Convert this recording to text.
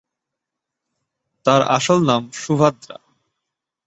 তার আসল নাম সুভাদ্রা।